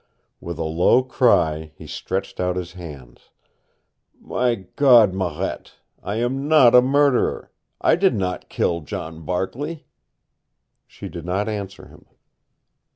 With a low cry he stretched out his hands, "My God, Marette, I am not a murderer! I did not kill John Barkley!" She did not answer him.